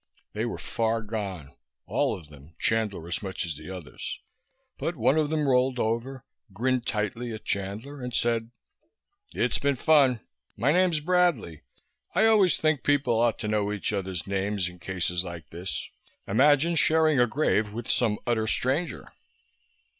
They were far gone. All of them, Chandler as much as the others. But one of them rolled over, grinned tightly at Chandler and said, "It's been fun. My name's Bradley. I always think people ought to know each other's names in cases like this. Imagine sharing a grave with some utter stranger!"